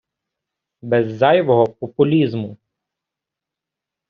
Без зайвого популізму.